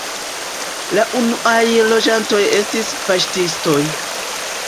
La unuaj loĝantoj estis paŝtistoj.